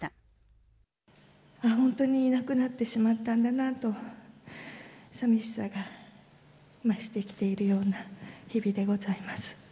本当に亡くなってしまったんだなと、寂しさが増してきているような日々でございます。